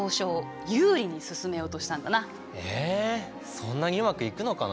そんなにうまくいくのかな？